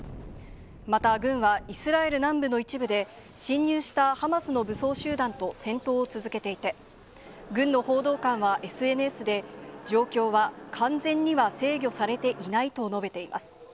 また、軍はイスラエル南部の一部で、侵入したハマスの武装集団と戦闘を続けていて、軍の報道官はＳＮＳで、状況は完全には制御されていないと述べています。